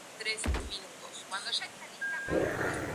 Ha publicado varios libros y artículos revisados por pares.